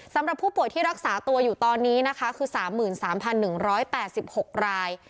สำหรับผู้ป่วยที่รักษาตัวอยู่ตอนนี้นะคะคือ๓๓๑๘๖ราย